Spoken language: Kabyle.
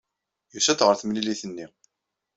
Yusa-d ɣer temlilit-nni.